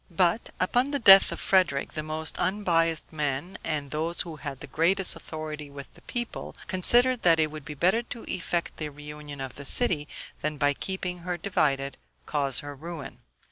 But, upon the death of Frederick, the most unbiased men, and those who had the greatest authority with the people, considered that it would be better to effect the reunion of the city, than, by keeping her divided, cause her ruin.